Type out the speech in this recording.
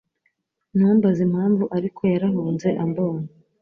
Ntumbaze impamvu ariko yarahunze ambonye